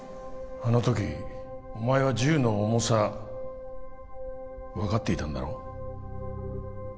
あの時お前は銃の重さ分かっていたんだろう？